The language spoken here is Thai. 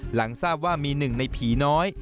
หลังทราบว่ามีหนึ่งในผีน้อย